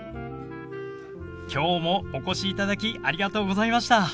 きょうもお越しいただきありがとうございました。